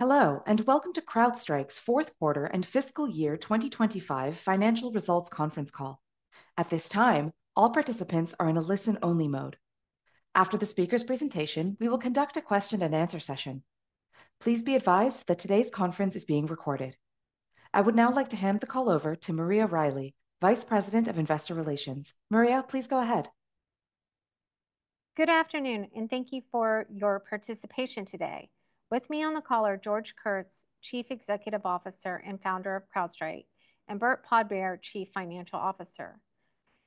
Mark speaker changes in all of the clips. Speaker 1: Hello, and welcome to CrowdStrike's Q4 and Fiscal Year 2025 Financial Results Conference Call. At this time, all participants are in a listen-only mode. After the speaker's presentation, we will conduct a question-and-answer session. Please be advised that today's conference is being recorded. I would now like to hand the call over to Maria Riley, Vice President of Investor Relations. Maria, please go ahead.
Speaker 2: Good afternoon, and thank you for your participation today. With me on the call are George Kurtz, Chief Executive Officer and Founder of CrowdStrike, and Burt Podbere, Chief Financial Officer.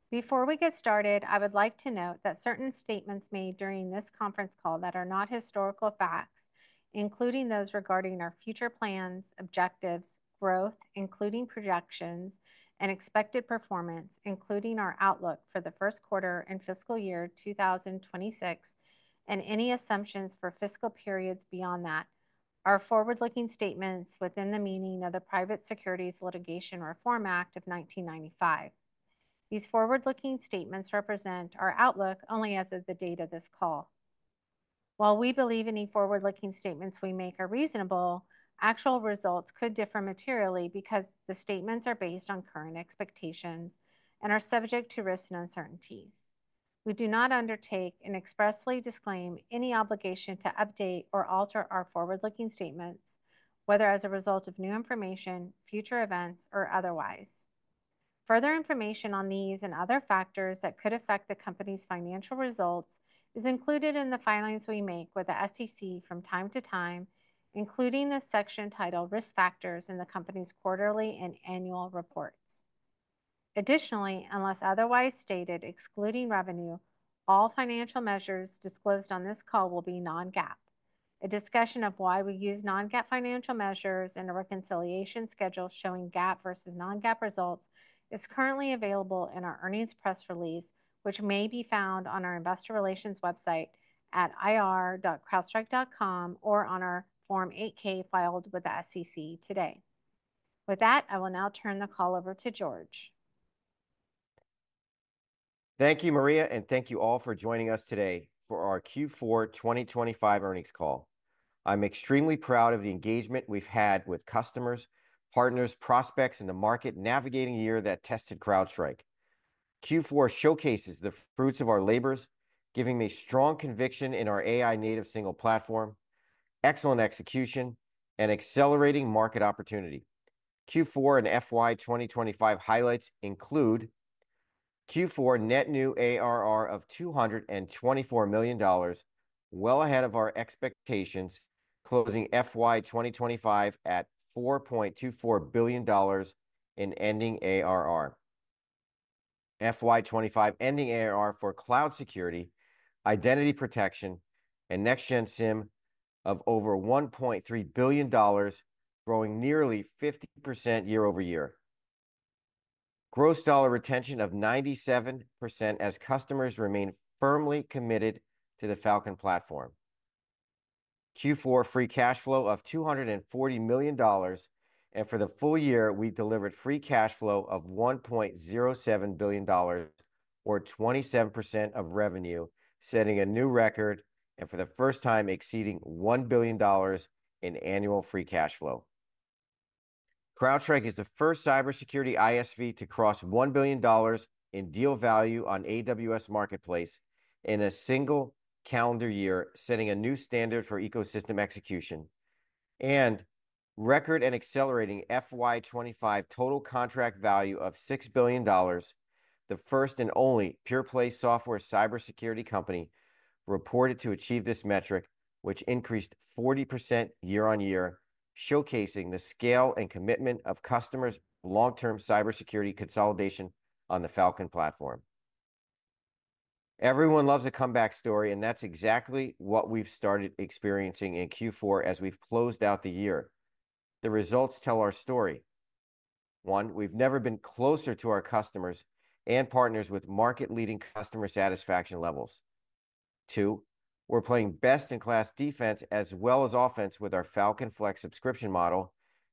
Speaker 2: Before we get started, I would like to note that certain statements made during this conference call that are not historical facts, including those regarding our future plans, objectives, growth, including projections, and expected performance, including our outlook for the Q1 and fiscal year 2026, and any assumptions for fiscal periods beyond that, are forward-looking statements within the meaning of the Private Securities Litigation Reform Act of 1995. These forward-looking statements represent our outlook only as of the date of this call. While we believe any forward-looking statements we make are reasonable, actual results could differ materially because the statements are based on current expectations and are subject to risks and uncertainties. We do not undertake and expressly disclaim any obligation to update or alter our forward-looking statements, whether as a result of new information, future events, or otherwise. Further information on these and other factors that could affect the company's financial results is included in the filings we make with the SEC from time to time, including the section titled Risk Factors in the company's quarterly and annual reports. Additionally, unless otherwise stated excluding revenue, all financial measures disclosed on this call will be non-GAAP. A discussion of why we use non-GAAP financial measures and a reconciliation schedule showing GAAP versus non-GAAP results is currently available in our earnings press release, which may be found on our Investor Relations website at ir.crowdstrike.com or on our Form 8-K filed with the SEC today. With that, I will now turn the call over to George.
Speaker 3: Thank you, Maria, and thank you all for joining us today for our Q4 2025 earnings call. I'm extremely proud of the engagement we've had with customers, partners, prospects, and the market navigating a year that tested CrowdStrike. Q4 showcases the fruits of our labors, giving me strong conviction in our AI-native single platform, excellent execution, and accelerating market opportunity. Q4 and FY 2025 highlights include Q4 net new ARR of $224 million, well ahead of our expectations, closing FY 2025 at $4.24 billion in ending ARR. FY 2025 ending ARR for cloud security, identity protection, and next-gen SIEM of over $1.3 billion, growing nearly 50% year-over-year. Gross dollar retention of 97% as customers remain firmly committed to the Falcon platform. Q4 free cash flow of $240 million, and for the full year, we delivered free cash flow of $1.07 billion, or 27% of revenue, setting a new record and for the first time exceeding $1 billion in annual free cash flow. CrowdStrike is the first cybersecurity ISV to cross $1 billion in deal value on AWS Marketplace in a single calendar year, setting a new standard for ecosystem execution. And record and accelerating FY 25 total contract value of $6 billion, the first and only pure-play software cybersecurity company reported to achieve this metric, which increased 40% year on year, showcasing the scale and commitment of customers' long-term cybersecurity consolidation on the Falcon platform. Everyone loves a comeback story, and that's exactly what we've started experiencing in Q4 as we've closed out the year. The results tell our story. One, we've never been closer to our customers and partners with market-leading customer satisfaction levels. Two, we're playing best-in-class defense as well as offense with our Falcon Flex subscription model.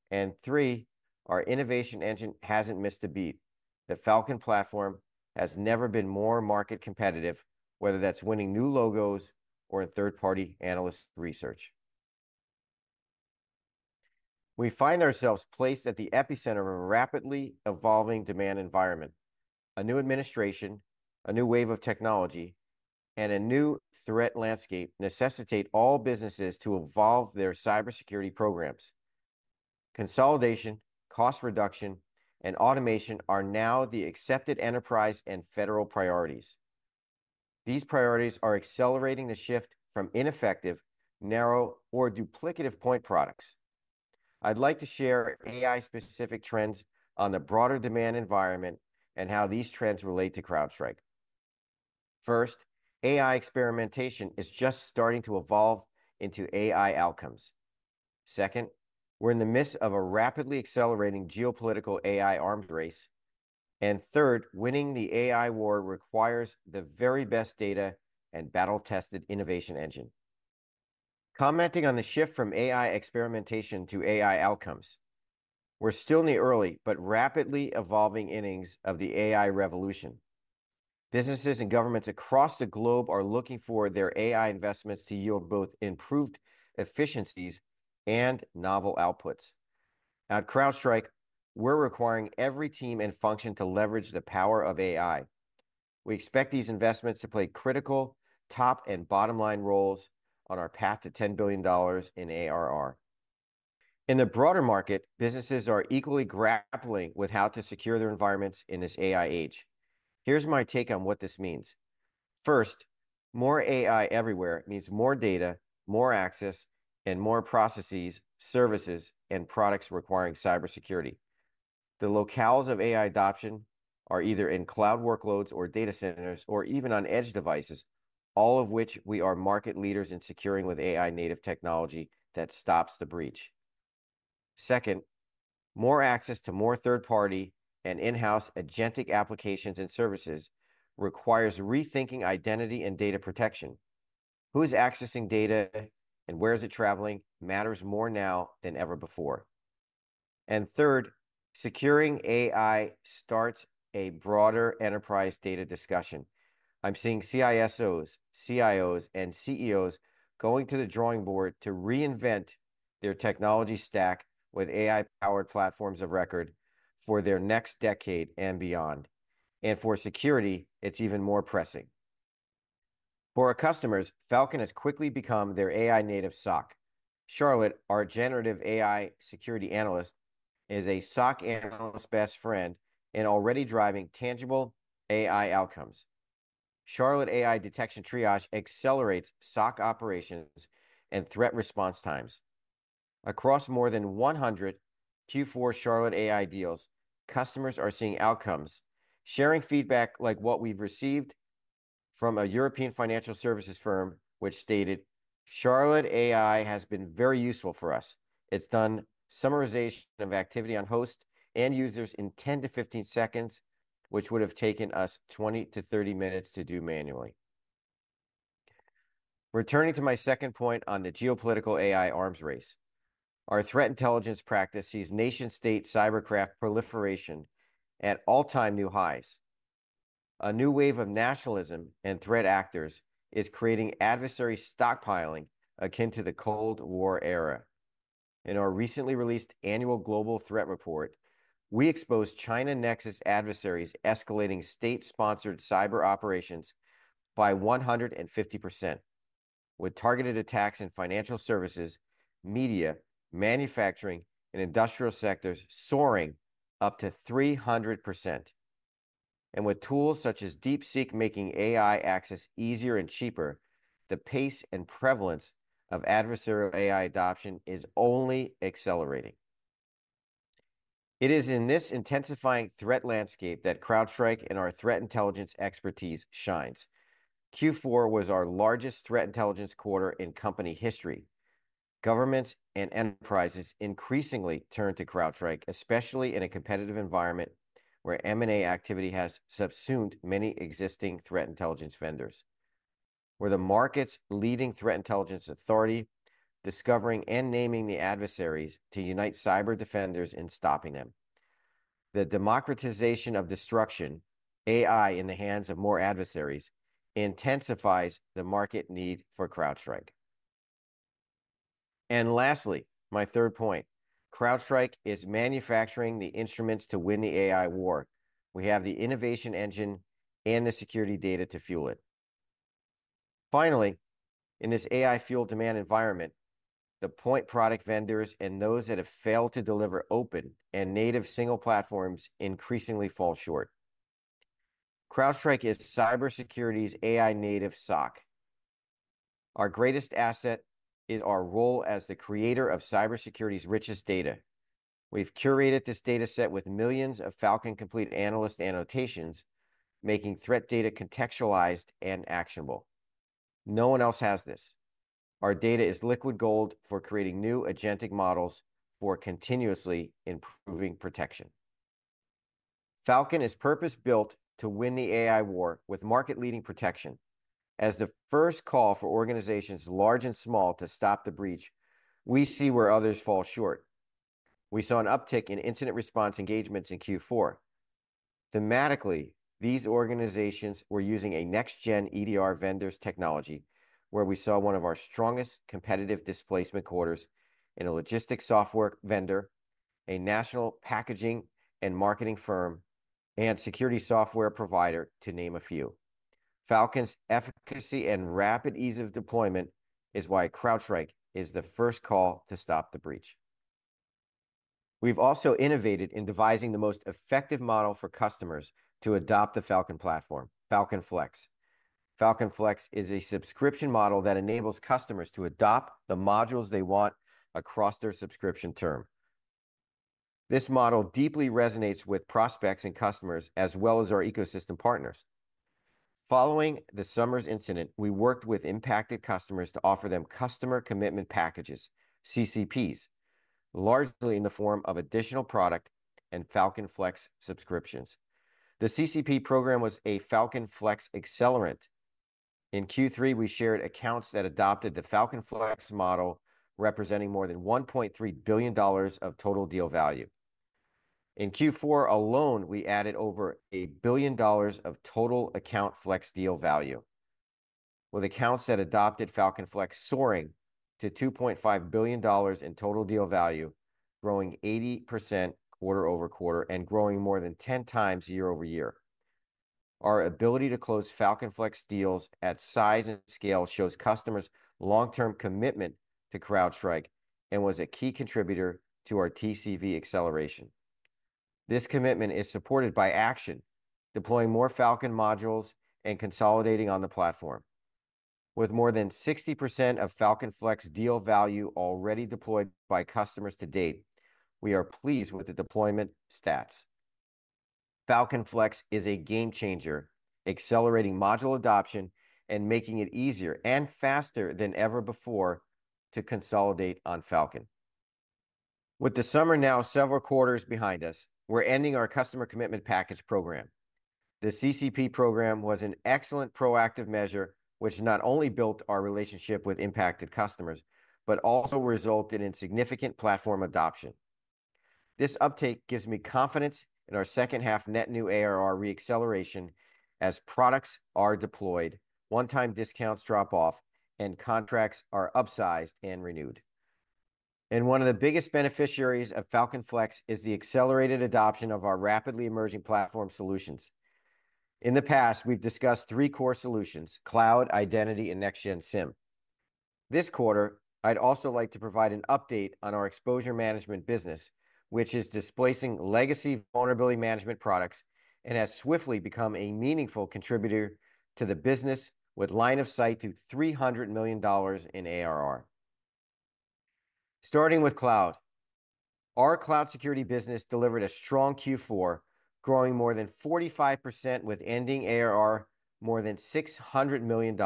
Speaker 3: And three, our innovation engine hasn't missed a beat. The Falcon platform has never been more market competitive, whether that's winning new logos or in third-party analyst research. We find ourselves placed at the epicenter of a rapidly evolving demand environment. A new administration, a new wave of technology, and a new threat landscape necessitate all businesses to evolve their cybersecurity programs. Consolidation, cost reduction, and automation are now the accepted enterprise and federal priorities. These priorities are accelerating the shift from ineffective, narrow, or duplicative point products. I'd like to share AI-specific trends on the broader demand environment and how these trends relate to CrowdStrike. First, AI experimentation is just starting to evolve into AI outcomes. Second, we're in the midst of a rapidly accelerating geopolitical AI arms race, and third, winning the AI war requires the very best data and battle-tested innovation engine. Commenting on the shift from AI experimentation to AI outcomes, we're still in the early but rapidly evolving innings of the AI revolution. Businesses and governments across the globe are looking for their AI investments to yield both improved efficiencies and novel outputs. At CrowdStrike, we're requiring every team and function to leverage the power of AI. We expect these investments to play critical top and bottom line roles on our path to $10 billion in ARR. In the broader market, businesses are equally grappling with how to secure their environments in this AI age. Here's my take on what this means. First, more AI everywhere means more data, more access, and more processes, services, and products requiring cybersecurity. The locales of AI adoption are either in cloud workloads or data centers or even on edge devices, all of which we are market leaders in securing with AI-native technology that stops the breach. Second, more access to more third-party and in-house agentic applications and services requires rethinking identity and data protection. Who is accessing data and where is it traveling matters more now than ever before. And third, securing AI starts a broader enterprise data discussion. I'm seeing CISOs, CIOs, and CEOs going to the drawing board to reinvent their technology stack with AI-powered platforms of record for their next decade and beyond. And for security, it's even more pressing. For our customers, Falcon has quickly become their AI-native SOC. Charlotte AI, our generative AI security analyst, is a SOC analyst's best friend and already driving tangible AI outcomes. Charlotte AI detection triage accelerates SOC operations and threat response times. Across more than 100 Q4 Charlotte AI deals, customers are seeing outcomes, sharing feedback like what we've received from a European financial services firm, which stated, "Charlotte AI has been very useful for us. It's done summarization of activity on hosts and users in 10 to 15 seconds, which would have taken us 20 to 30 minutes to do manually." Returning to my second point on the geopolitical AI arms race, our threat intelligence practice sees nation-state cybercraft proliferation at all-time new highs. A new wave of nationalism and threat actors is creating adversary stockpiling akin to the Cold War era. In our recently released annual global threat report, we expose China-nexus adversaries escalating state-sponsored cyber operations by 150%, with targeted attacks in financial services, media, manufacturing, and industrial sectors soaring up to 300%. And with tools such as DeepSeek making AI access easier and cheaper, the pace and prevalence of adversarial AI adoption is only accelerating. It is in this intensifying threat landscape that CrowdStrike and our threat intelligence expertise shines. Q4 was our largest threat intelligence quarter in company history. Governments and enterprises increasingly turn to CrowdStrike, especially in a competitive environment where M&A activity has subsumed many existing threat intelligence vendors. We're the market's leading threat intelligence authority, discovering and naming the adversaries to unite cyber defenders in stopping them. The democratization of destruction, AI in the hands of more adversaries, intensifies the market need for CrowdStrike. And lastly, my third point, CrowdStrike is manufacturing the instruments to win the AI war. We have the innovation engine and the security data to fuel it. Finally, in this AI-fueled demand environment, the point product vendors and those that have failed to deliver open and native single platforms increasingly fall short. CrowdStrike is cybersecurity's AI-native SOC. Our greatest asset is our role as the creator of cybersecurity's richest data. We've curated this dataset with millions of Falcon Complete analyst annotations, making threat data contextualized and actionable. No one else has this. Our data is liquid gold for creating new agentic models for continuously improving protection. Falcon is purpose-built to win the AI war with market-leading protection. As the first call for organizations large and small to stop the breach, we see where others fall short. We saw an uptick in incident response engagements in Q4. Thematically, these organizations were using a next-gen EDR vendor's technology, where we saw one of our strongest competitive displacement quarters in a logistics software vendor, a national packaging and marketing firm, and security software provider, to name a few. Falcon's efficacy and rapid ease of deployment is why CrowdStrike is the first call to stop the breach. We've also innovated in devising the most effective model for customers to adopt the Falcon platform, Falcon Flex. Falcon Flex is a subscription model that enables customers to adopt the modules they want across their subscription term. This model deeply resonates with prospects and customers, as well as our ecosystem partners. Following the summer's incident, we worked with impacted customers to offer them Customer Commitment Packages, CCPs. Largely in the form of additional product and Falcon Flex subscriptions. The CCP program was a Falcon Flex accelerant. In Q3, we shared accounts that adopted the Falcon Flex model, representing more than $1.3 billion of total deal value. In Q4 alone, we added over $1 billion of total account Flex deal value, with accounts that adopted Falcon Flex soaring to $2.5 billion in total deal value, growing 80% quarter-over-quarter and growing more than 10x year-over-year. Our ability to close Falcon Flex deals at size and scale shows customers' long-term commitment to CrowdStrike and was a key contributor to our TCV acceleration. This commitment is supported by action, deploying more Falcon modules and consolidating on the platform. With more than 60% of Falcon Flex deal value already deployed by customers to date, we are pleased with the deployment stats. Falcon Flex is a game changer, accelerating module adoption and making it easier and faster than ever before to consolidate on Falcon. With the summer now several quarters behind us, we're ending our Customer Commitment Package program. The CCP program was an excellent proactive measure, which not only built our relationship with impacted customers, but also resulted in significant platform adoption. This uptake gives me confidence in our second-half net new ARR re-acceleration as products are deployed, one-time discounts drop off, and contracts are upsized and renewed. And one of the biggest beneficiaries of Falcon Flex is the accelerated adoption of our rapidly emerging platform solutions. In the past, we've discussed three core solutions: Cloud, Identity, and Next-Gen SIEM. This quarter, I'd also like to provide an update on our Exposure Management business, which is displacing legacy vulnerability management products and has swiftly become a meaningful contributor to the business with line of sight to $300 million in ARR. Starting with cloud, our cloud security business delivered a strong Q4, growing more than 45% with ending ARR more than $600 million.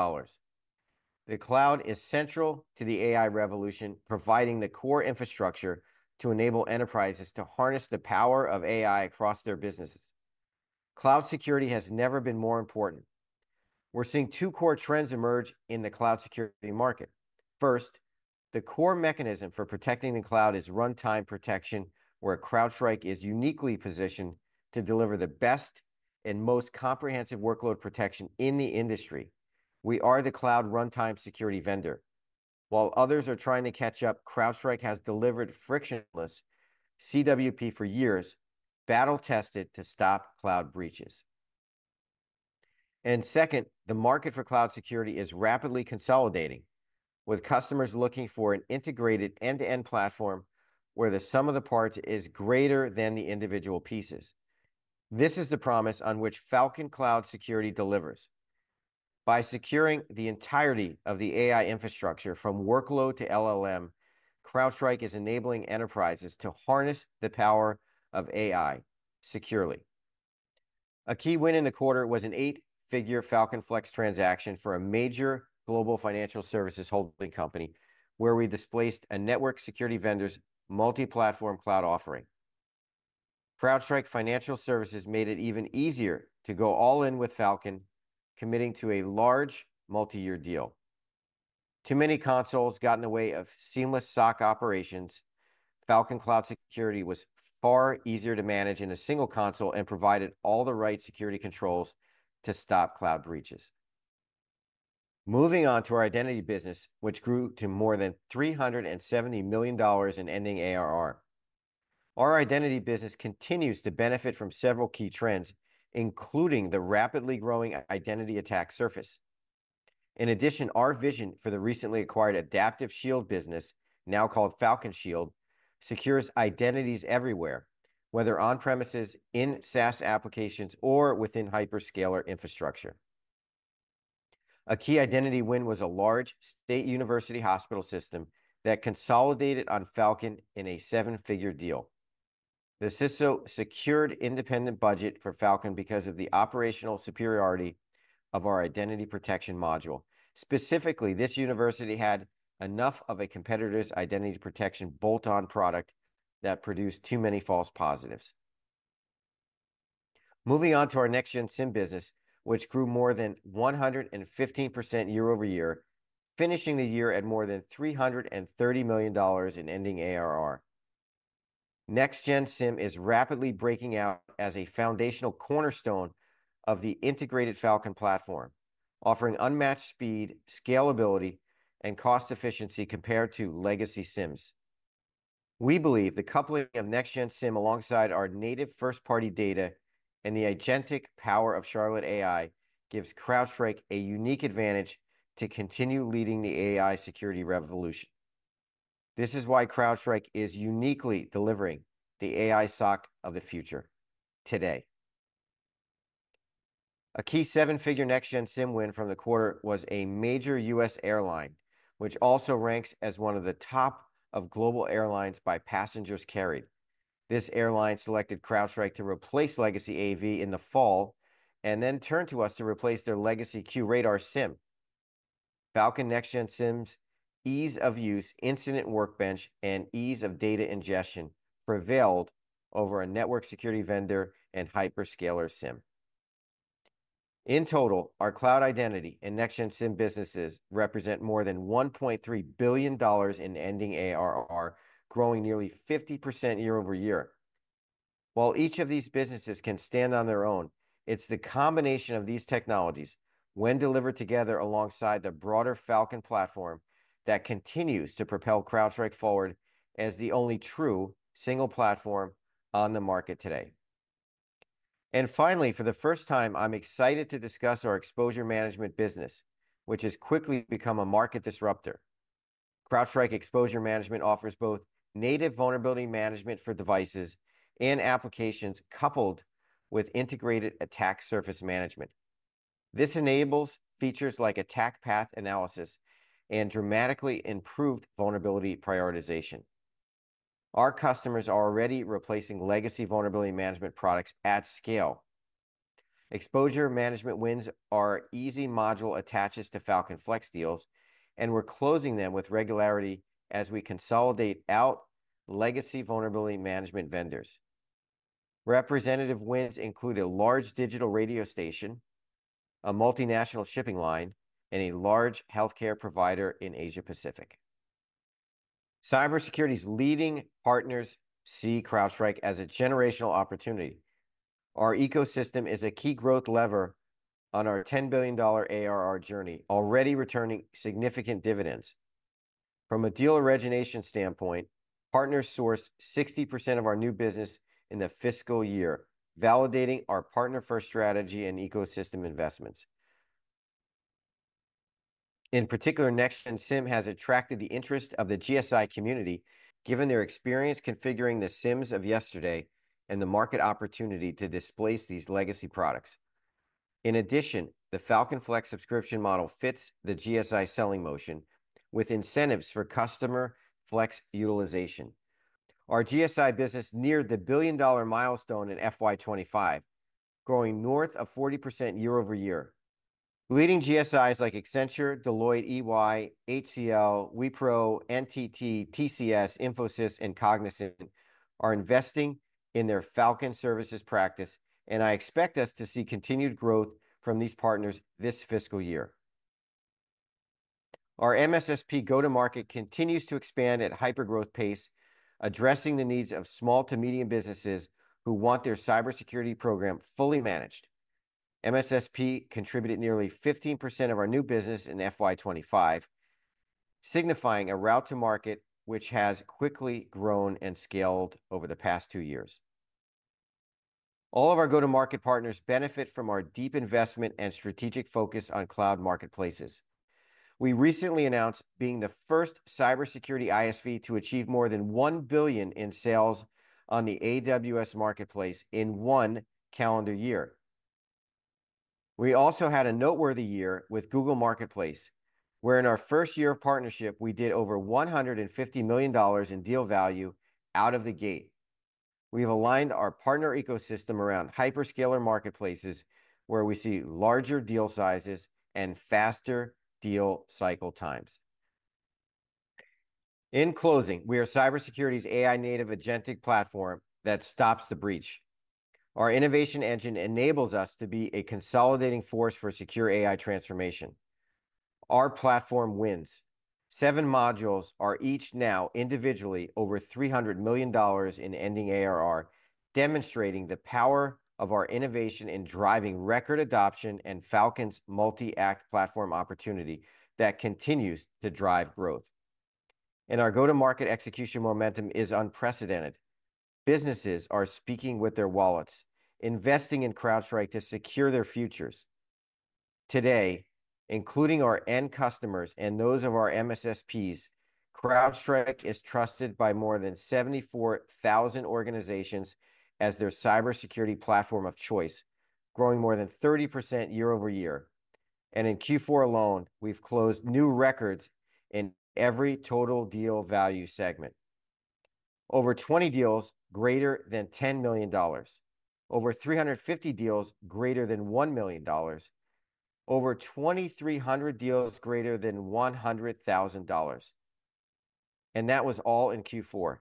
Speaker 3: The cloud is central to the AI revolution, providing the core infrastructure to enable enterprises to harness the power of AI across their businesses. Cloud security has never been more important. We're seeing two core trends emerge in the cloud security market. First, the core mechanism for protecting the cloud is runtime protection, where CrowdStrike is uniquely positioned to deliver the best and most comprehensive workload protection in the industry. We are the cloud runtime security vendor. While others are trying to catch up, CrowdStrike has delivered frictionless CWP for years, battle-tested to stop cloud breaches. And second, the market for cloud security is rapidly consolidating, with customers looking for an integrated end-to-end platform where the sum of the parts is greater than the individual pieces. This is the promise on which Falcon Cloud Security delivers. By securing the entirety of the AI infrastructure from workload to LLM, CrowdStrike is enabling enterprises to harness the power of AI securely. A key win in the quarter was an eight-figure Falcon Flex transaction for a major global financial services holding company, where we displaced a network security vendor's multi-platform cloud offering. CrowdStrike Financial Services made it even easier to go all in with Falcon, committing to a large multi-year deal. Too many consoles got in the way of seamless SOC operations. Falcon Cloud Security was far easier to manage in a single console and provided all the right security controls to stop cloud breaches. Moving on to our identity business, which grew to more than $370 million in ending ARR. Our identity business continues to benefit from several key trends, including the rapidly growing identity attack surface. In addition, our vision for the recently acquired Adaptive Shield business, now called Falcon Shield, secures identities everywhere, whether on-premises, in SaaS applications, or within hyperscale infrastructure. A key identity win was a large state university hospital system that consolidated on Falcon in a seven-figure deal. The CISO secured independent budget for Falcon because of the operational superiority of our identity protection module. Specifically, this university had enough of a competitor's identity protection bolt-on product that produced too many false positives. Moving on to our next-gen SIEM business, which grew more than 115% year-over-year, finishing the year at more than $330 million in ending ARR. Next-gen SIEM is rapidly breaking out as a foundational cornerstone of the integrated Falcon platform, offering unmatched speed, scalability, and cost efficiency compared to legacy SIEMs. We believe the coupling of next-gen SIEM alongside our native first-party data and the agentic power of Charlotte AI gives CrowdStrike a unique advantage to continue leading the AI security revolution. This is why CrowdStrike is uniquely delivering the AI SOC of the future today. A key seven-figure next-gen SIEM win from the quarter was a major U.S. airline, which also ranks as one of the top global airlines by passengers carried. This airline selected CrowdStrike to replace legacy AV in the fall and then turned to us to replace their legacy QRadar SIEM. Falcon Next-Gen SIEM ease of use, incident workbench, and ease of data ingestion prevailed over a network security vendor and hyperscaler SIEM. In total, our cloud identity and next-gen SIEM businesses represent more than $1.3 billion in ending ARR, growing nearly 50% year-over-year. While each of these businesses can stand on their own, it's the combination of these technologies, when delivered together alongside the broader Falcon platform, that continues to propel CrowdStrike forward as the only true single platform on the market today, and finally, for the first time, I'm excited to discuss our exposure management business, which has quickly become a market disruptor. CrowdStrike Exposure Management offers both native vulnerability management for devices and applications coupled with integrated attack surface management. This enables features like attack path analysis and dramatically improved vulnerability prioritization. Our customers are already replacing legacy vulnerability management products at scale. Exposure management wins are easy module attaches to Falcon Flex deals, and we're closing them with regularity as we consolidate out legacy vulnerability management vendors. Representative wins include a large digital radio station, a multinational shipping line, and a large healthcare provider in Asia-Pacific. Cybersecurity's leading partners see CrowdStrike as a generational opportunity. Our ecosystem is a key growth lever on our $10 billion ARR journey, already returning significant dividends. From a deal origination standpoint, partners sourced 60% of our new business in the fiscal year, validating our partner-first strategy and ecosystem investments. In particular, next-gen SIEM has attracted the interest of the GSI community, given their experience configuring the SIEMs of yesterday and the market opportunity to displace these legacy products. In addition, the Falcon Flex subscription model fits the GSI selling motion with incentives for customer flex utilization. Our GSI business neared the billion-dollar milestone in FY25, growing north of 40% year-over-year. Leading GSIs like Accenture, Deloitte, EY, HCL, Wipro, NTT, TCS, Infosys, and Cognizant are investing in their Falcon services practice, and I expect us to see continued growth from these partners this fiscal year. Our MSSP go-to-market continues to expand at hyper-growth pace, addressing the needs of small to medium businesses who want their cybersecurity program fully managed. MSSP contributed nearly 15% of our new business in FY25, signifying a route to market which has quickly grown and scaled over the past two years. All of our go-to-market partners benefit from our deep investment and strategic focus on cloud marketplaces. We recently announced being the first cybersecurity ISV to achieve more than $1 billion in sales on the AWS Marketplace in one calendar year. We also had a noteworthy year with Google Marketplace, where in our first year of partnership, we did over $150 million in deal value out of the gate. We have aligned our partner ecosystem around hyperscaler marketplaces, where we see larger deal sizes and faster deal cycle times. In closing, we are cybersecurity's AI-native agentic platform that stops the breach. Our innovation engine enables us to be a consolidating force for secure AI transformation. Our platform wins. Seven modules are each now individually over $300 million in ending ARR, demonstrating the power of our innovation in driving record adoption and Falcon's multi-act platform opportunity that continues to drive growth, and our go-to-market execution momentum is unprecedented. Businesses are speaking with their wallets, investing in CrowdStrike to secure their futures. Today, including our end customers and those of our MSSPs, CrowdStrike is trusted by more than 74,000 organizations as their cybersecurity platform of choice, growing more than 30% year-over-year, and in Q4 alone, we've closed new records in every total deal value segment. Over 20 deals greater than $10 million, over 350 deals greater than $1 million, over 2,300 deals greater than $100,000, and that was all in Q4.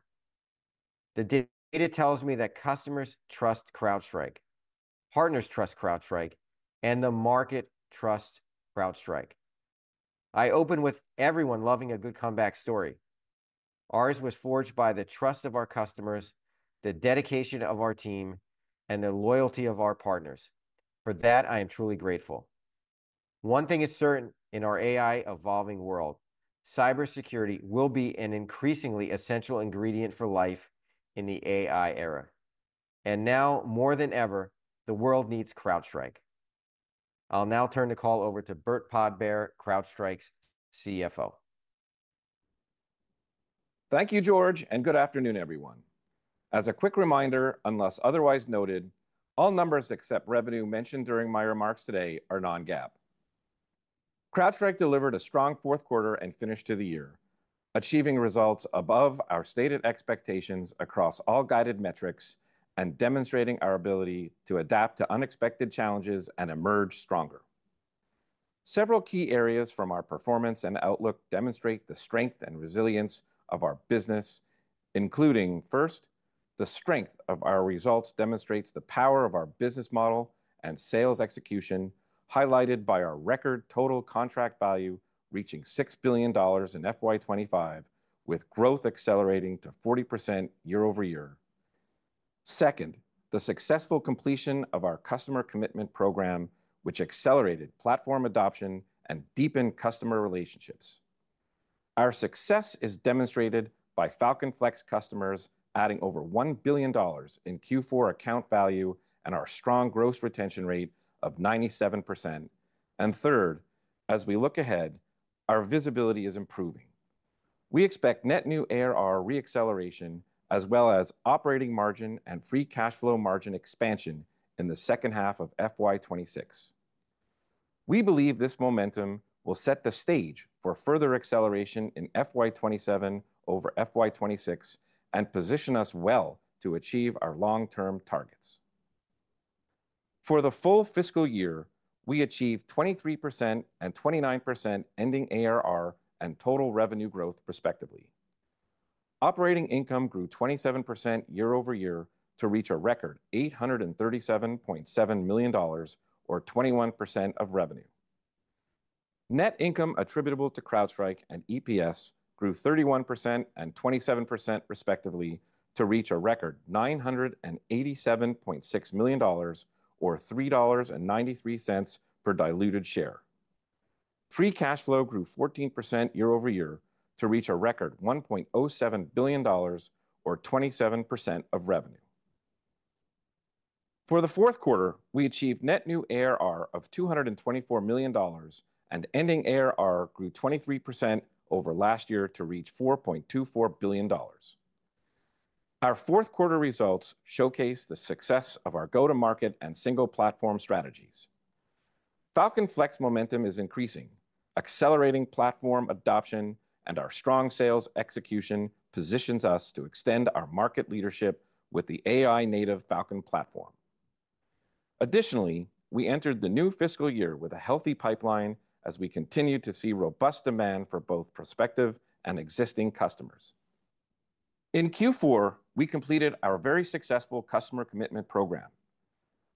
Speaker 3: The data tells me that customers trust CrowdStrike, partners trust CrowdStrike, and the market trusts CrowdStrike. I open with everyone loving a good comeback story. Ours was forged by the trust of our customers, the dedication of our team, and the loyalty of our partners. For that, I am truly grateful. One thing is certain in our AI-evolving world: cybersecurity will be an increasingly essential ingredient for life in the AI era, and now, more than ever, the world needs CrowdStrike. I'll now turn the call over to Burt Podbere, CrowdStrike's CFO.
Speaker 4: Thank you, George, and good afternoon, everyone. As a quick reminder, unless otherwise noted, all numbers except revenue mentioned during my remarks today are non-GAAP. CrowdStrike delivered a strong Q4 and finished the year, achieving results above our stated expectations across all guided metrics and demonstrating our ability to adapt to unexpected challenges and emerge stronger. Several key areas from our performance and outlook demonstrate the strength and resilience of our business, including first, the strength of our results demonstrates the power of our business model and sales execution, highlighted by our record total contract value reaching $6 billion in FY 2025, with growth accelerating to 40% year-over-year. Second, the successful completion of our Customer Commitment Program, which accelerated platform adoption and deepened customer relationships. Our success is demonstrated by Falcon Flex customers adding over $1 billion in Q4 account value and our strong gross retention rate of 97%. And third, as we look ahead, our visibility is improving. We expect net new ARR re-acceleration, as well as operating margin and free cash flow margin expansion in the second half of FY 2026. We believe this momentum will set the stage for further acceleration in FY 2027 over FY 2026 and position us well to achieve our long-term targets. For the full fiscal year, we achieved 23% and 29% ending ARR and total revenue growth, respectively. Operating income grew 27% year-over-year to reach a record $837.7 million, or 21% of revenue. Net income attributable to CrowdStrike and EPS grew 31% and 27%, respectively, to reach a record $987.6 million, or $3.93 per diluted share. Free cash flow grew 14% year-over-year to reach a record $1.07 billion, or 27% of revenue. For the Q4, we achieved net new ARR of $224 million, and ending ARR grew 23% over last year to reach $4.24 billion. Our Q4 results showcase the success of our go-to-market and single-platform strategies. Falcon Flex momentum is increasing, accelerating platform adoption, and our strong sales execution positions us to extend our market leadership with the AI-native Falcon platform. Additionally, we entered the new fiscal year with a healthy pipeline as we continue to see robust demand for both prospective and existing customers. In Q4, we completed our very successful Customer Commitment Program.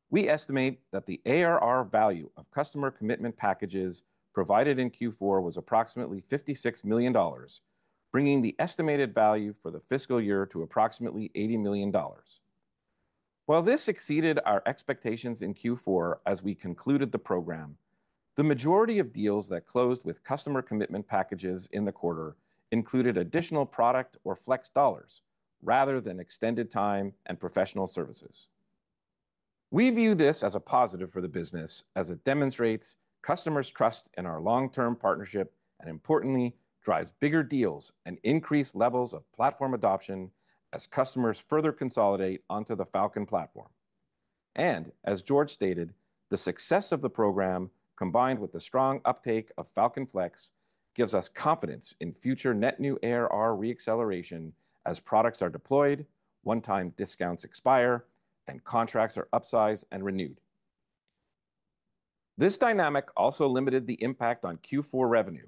Speaker 4: We estimate that the ARR value of customer commitment packages provided in Q4 was approximately $56 million, bringing the estimated value for the fiscal year to approximately $80 million. While this exceeded our expectations in Q4 as we concluded the program, the majority of deals that closed with Customer Commitment Packages in the quarter included additional product or flex dollars rather than extended time and professional services. We view this as a positive for the business, as it demonstrates customers' trust in our long-term partnership and, importantly, drives bigger deals and increased levels of platform adoption as customers further consolidate onto the Falcon platform, and as George stated, the success of the program, combined with the strong uptake of Falcon Flex, gives us confidence in future net new ARR re-acceleration as products are deployed, one-time discounts expire, and contracts are upsized and renewed. This dynamic also limited the impact on Q4 revenue,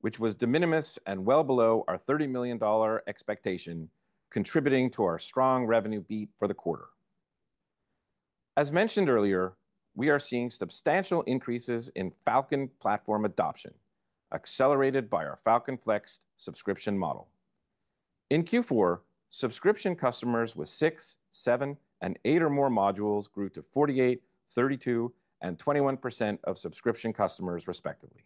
Speaker 4: which was de minimis and well below our $30 million expectation, contributing to our strong revenue beat for the quarter. As mentioned earlier, we are seeing substantial increases in Falcon platform adoption, accelerated by our Falcon Flex subscription model. In Q4, subscription customers with six, seven, and eight or more modules grew to 48%, 32%, and 21% of subscription customers, respectively.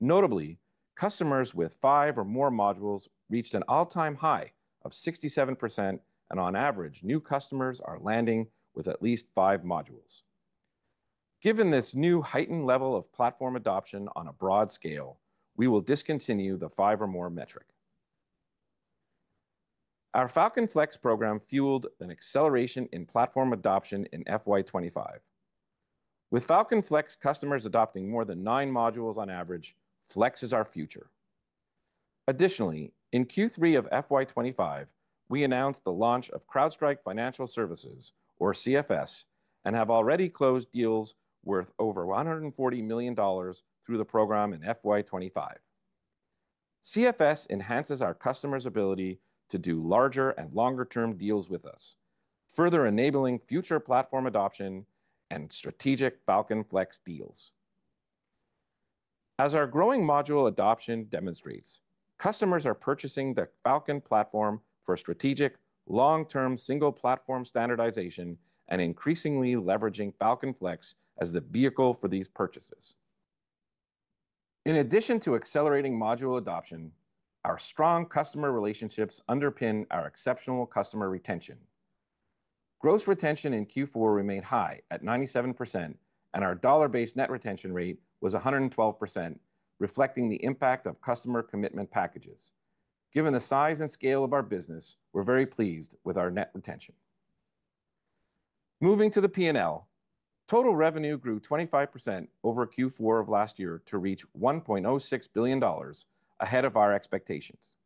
Speaker 4: Notably, customers with five or more modules reached an all-time high of 67%, and on average, new customers are landing with at least five modules. Given this new heightened level of platform adoption on a broad scale, we will discontinue the five or more metric. Our Falcon Flex program fueled an acceleration in platform adoption in FY 2025. With Falcon Flex customers adopting more than nine modules on average, Flex is our future. Additionally, in Q3 of FY 2025, we announced the launch of CrowdStrike Financial Services, or CFS, and have already closed deals worth over $140 million through the program in FY25. CFS enhances our customers' ability to do larger and longer-term deals with us, further enabling future platform adoption and strategic Falcon Flex deals. As our growing module adoption demonstrates, customers are purchasing the Falcon platform for strategic long-term single-platform standardization and increasingly leveraging Falcon Flex as the vehicle for these purchases. In addition to accelerating module adoption, our strong customer relationships underpin our exceptional customer retention. Gross retention in Q4 remained high at 97%, and our dollar-based net retention rate was 112%, reflecting the impact of customer commitment packages. Given the size and scale of our business, we're very pleased with our net retention. Moving to the P&L, total revenue grew 25% over Q4 of last year to reach $1.06 billion, ahead of our expectations.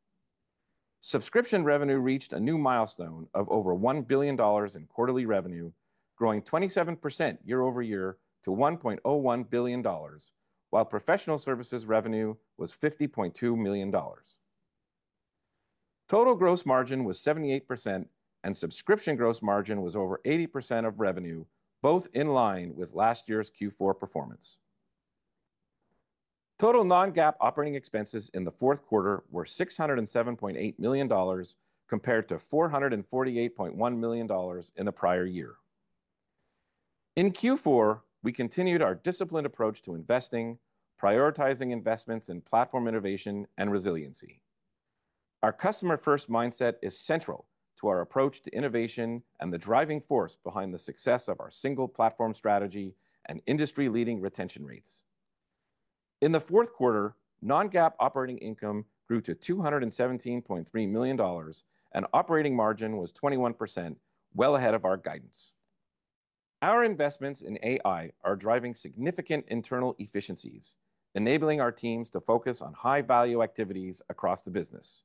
Speaker 4: Subscription revenue reached a new milestone of over $1 billion in quarterly revenue, growing 27% year-over-year to $1.01 billion, while professional services revenue was $50.2 million. Total gross margin was 78%, and subscription gross margin was over 80% of revenue, both in line with last year's Q4 performance. Total non-GAAP operating expenses in the Q4 were $607.8 million, compared to $448.1 million in the prior year. In Q4, we continued our disciplined approach to investing, prioritizing investments in platform innovation and resiliency. Our customer-first mindset is central to our approach to innovation and the driving force behind the success of our single-platform strategy and industry-leading retention rates. In the Q4, non-GAAP operating income grew to $217.3 million, and operating margin was 21%, well ahead of our guidance. Our investments in AI are driving significant internal efficiencies, enabling our teams to focus on high-value activities across the business.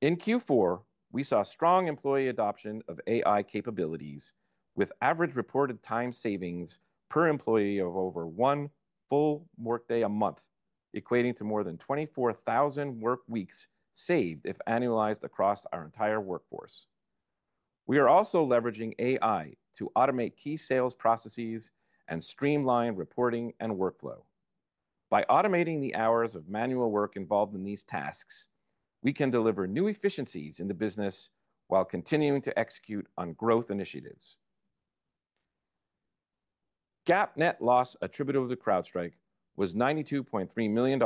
Speaker 4: In Q4, we saw strong employee adoption of AI capabilities, with average reported time savings per employee of over one full workday a month, equating to more than 24,000 work weeks saved if annualized across our entire workforce. We are also leveraging AI to automate key sales processes and streamline reporting and workflow. By automating the hours of manual work involved in these tasks, we can deliver new efficiencies in the business while continuing to execute on growth initiatives. GAAP net loss attributable to CrowdStrike was $92.3 million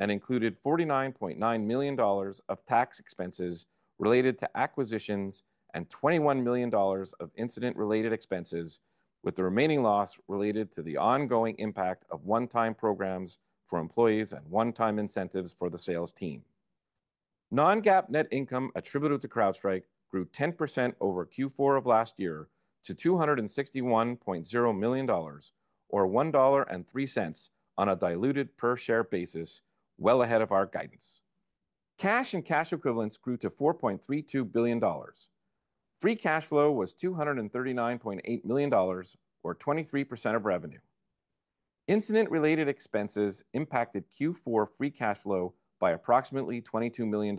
Speaker 4: and included $49.9 million of tax expenses related to acquisitions and $21 million of incident-related expenses, with the remaining loss related to the ongoing impact of one-time programs for employees and one-time incentives for the sales team. Non-GAAP net income attributable to CrowdStrike grew 10% over Q4 of last year to $261.0 million, or $1.03 on a diluted per-share basis, well ahead of our guidance. Cash and cash equivalents grew to $4.32 billion. Free cash flow was $239.8 million, or 23% of revenue. Incident-related expenses impacted Q4 free cash flow by approximately $22 million.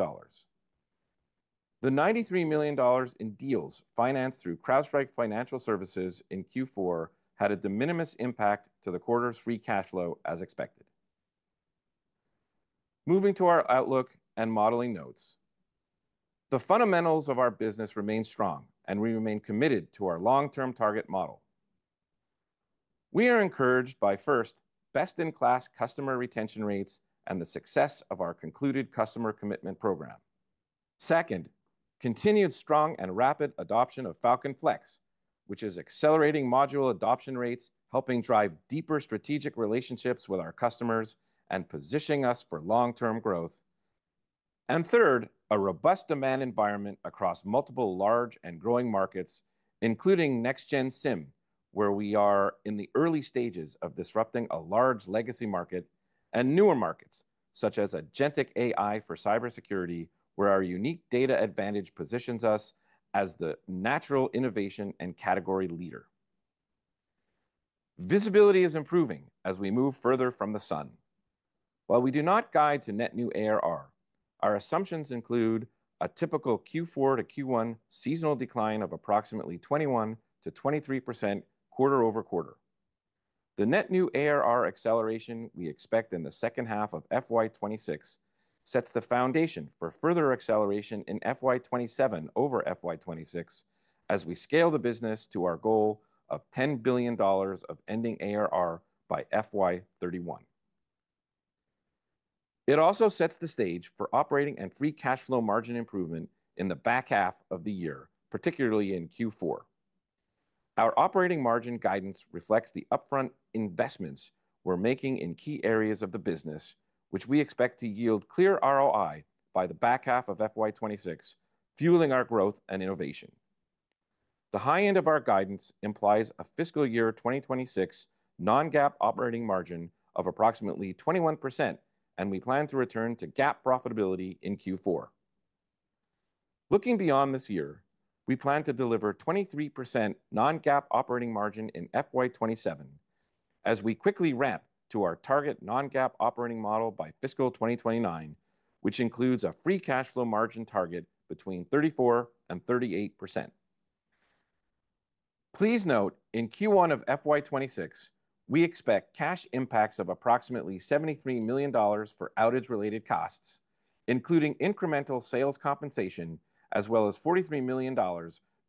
Speaker 4: The $93 million in deals financed through CrowdStrike Financial Services in Q4 had a de minimis impact to the quarter's free cash flow, as expected. Moving to our outlook and modeling notes, the fundamentals of our business remain strong, and we remain committed to our long-term target model. We are encouraged by, first, best-in-class customer retention rates and the success of our concluded Customer Commitment Program. Second, continued strong and rapid adoption of Falcon Flex, which is accelerating module adoption rates, helping drive deeper strategic relationships with our customers and positioning us for long-term growth. And third, a robust demand environment across multiple large and growing markets, including next-gen SIEM, where we are in the early stages of disrupting a large legacy market, and newer markets, such as agentic AI for cybersecurity, where our unique data advantage positions us as the natural innovation and category leader. Visibility is improving as we move further from the summer. While we do not guide to net new ARR, our assumptions include a typical Q4-Q1 seasonal decline of approximately 21%-23% quarter-over-quarter. The net new ARR acceleration we expect in the second half of FY 2026 sets the foundation for further acceleration in FY 2027 over FY 2026 as we scale the business to our goal of $10 billion of ending ARR by FY 2031. It also sets the stage for operating and free cash flow margin improvement in the back half of the year, particularly in Q4. Our operating margin guidance reflects the upfront investments we're making in key areas of the business, which we expect to yield clear ROI by the back half of FY 2026, fueling our growth and innovation. The high end of our guidance implies a fiscal year 2026 non-GAAP operating margin of approximately 21%, and we plan to return to GAAP profitability in Q4. Looking beyond this year, we plan to deliver 23% non-GAAP operating margin in FY27 as we quickly ramp to our target non-GAAP operating model by fiscal 2029, which includes a free cash flow margin target between 34% and 38%. Please note, in Q1 of FY 2026, we expect cash impacts of approximately $73 million for outage-related costs, including incremental sales compensation, as well as $43 million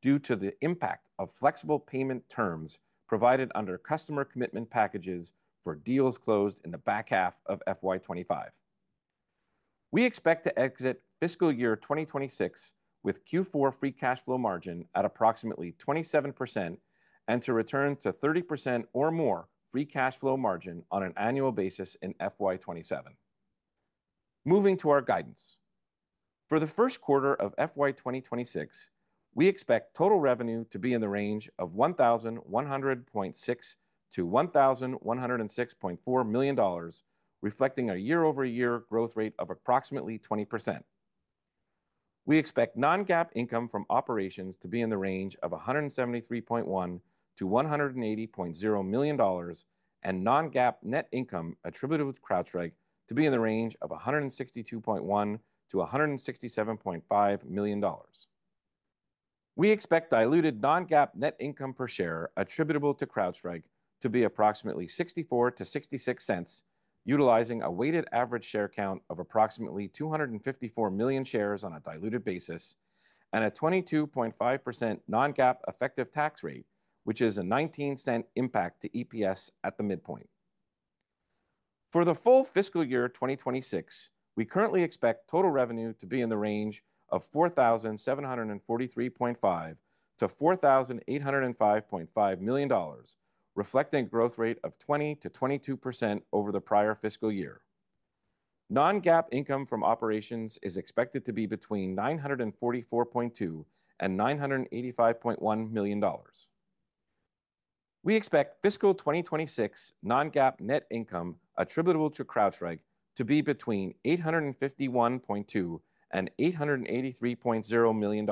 Speaker 4: due to the impact of flexible payment terms provided under customer commitment packages for deals closed in the back half of FY 2025. We expect to exit fiscal year 2026 with Q4 free cash flow margin at approximately 27% and to return to 30% or more free cash flow margin on an annual basis in FY 2027. Moving to our guidance. For the Q1 of FY 2026, we expect total revenue to be in the range of $1,100.6 to 1,106.4 million, reflecting a year-over-year growth rate of approximately 20%. We expect non-GAAP income from operations to be in the range of $173.1 million-$180.0 million, and non-GAAP net income attributable to CrowdStrike to be in the range of $162.1 million-$167.5 million. We expect diluted non-GAAP net income per share attributable to CrowdStrike to be approximately $0.64-$0.66, utilizing a weighted average share count of approximately 254 million shares on a diluted basis, and a 22.5% non-GAAP effective tax rate, which is a $0.19 impact to EPS at the midpoint. For the full fiscal year 2026, we currently expect total revenue to be in the range of $4,743.5 million-$4,805.5 million, reflecting a growth rate of 20% to 22% over the prior fiscal year. Non-GAAP income from operations is expected to be between $944.2 and $985.1 million. We expect fiscal 2026 non-GAAP net income attributable to CrowdStrike to be between $851.2 and $883.0 million,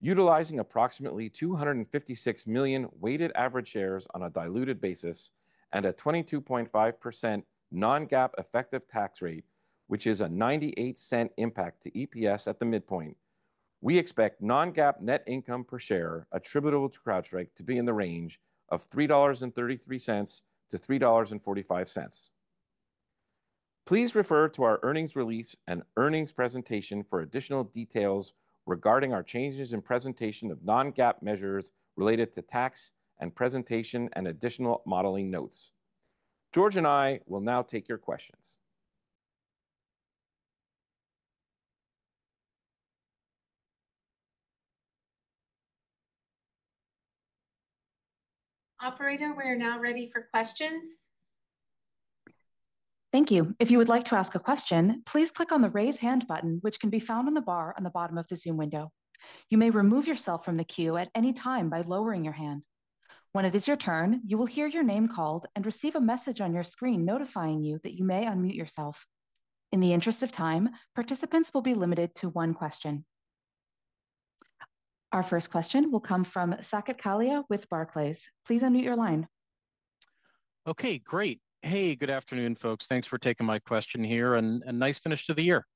Speaker 4: utilizing approximately 256 million weighted average shares on a diluted basis and a 22.5% non-GAAP effective tax rate, which is a $0.98 impact to EPS at the midpoint. We expect non-GAAP net income per share attributable to CrowdStrike to be in the range of $3.33-$3.45. Please refer to our earnings release and earnings presentation for additional details regarding our changes in presentation of non-GAAP measures related to tax and presentation and additional modeling notes. George and I will now take your questions.
Speaker 2: Operator, we are now ready for questions.
Speaker 1: Thank you. If you would like to ask a question, please click on the raise hand button, which can be found on the bar on the bottom of the Zoom window. You may remove yourself from the queue at any time by lowering your hand. When it is your turn, you will hear your name called and receive a message on your screen notifying you that you may unmute yourself. In the interest of time, participants will be limited to one question. Our first question will come from Saket Kalia with Barclays. Please unmute your line.
Speaker 5: Okay, great. Hey, good afternoon, folks. Thanks for taking my question here, and a nice finish to the year.